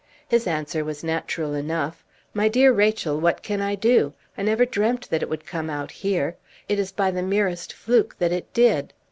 His answer was natural enough. "My dear Rachel, what can I do? I never dreamt that it would come out here; it is by the merest fluke that it did."